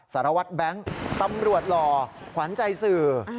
สารวัตรแบงค์ตำรวจหล่อขวัญใจสื่อ